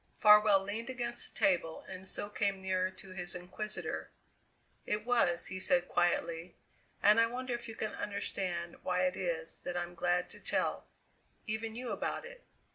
Farwell leaned against the table and so came nearer to his inquisitor. "It was," he said quietly, "and I wonder if you can understand why it is that I'm glad to tell even you about it?